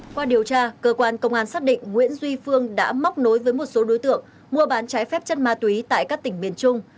qua điều tra cơ quan công an xác định nguyễn duy phương đã móc nối với một số đối tượng mua bán trái phép chất ma túy tại các tỉnh miền trung